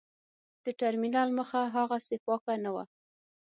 د ټرمینل مخه هاغسې پاکه نه وه.